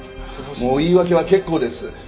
もう言い訳は結構です。